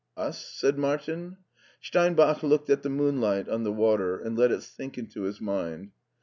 "Us?'' said Martin. Steinbach looked at the moonlight on the water, and let it sink into his mind.